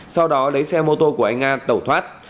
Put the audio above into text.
sau đó lấy xe mô tô của anh nga tẩu thoát